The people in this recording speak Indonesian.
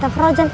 dan dimana rena